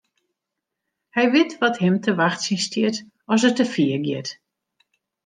Hy wit wat him te wachtsjen stiet as er te fier giet.